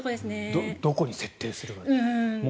どこに設定するか。